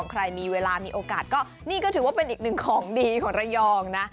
ใครมีเวลามีโอกาสก็นี่ก็ถือว่าเป็นอีกหนึ่งของดีของระยองนะ